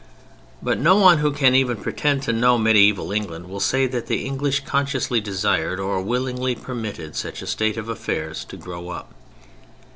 But no one who can even pretend to know mediæval England will say that the English consciously desired or willingly permitted such a state of affairs to grow up.